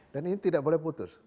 dan ini tidak boleh putus